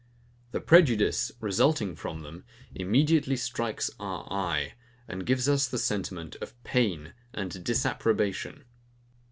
The prejudice, resulting from them, immediately strikes our eye, and gives us the sentiment of pain and disapprobation.